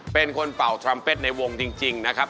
เป็นคนเป่าทรัมเป็ดในวงจริงนะครับ